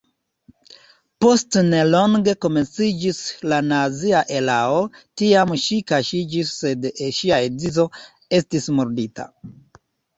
Post nelonge komenciĝis la nazia erao, tiam ŝi kaŝiĝis sed ŝia edzo estis murdita.